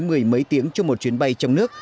mười mấy tiếng trong một chuyến bay trong nước